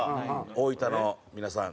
大分の皆さん